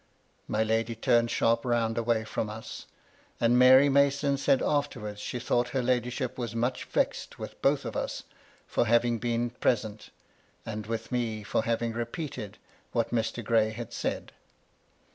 " My lady turned sharp round away from us, and Mary Mason said afterwards she thought her ladyship was much vexed with both of us, for having been pre sent, and with me for having repeated what Mr. Gray had said.